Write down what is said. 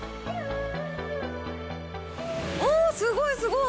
お、すごい、すごい！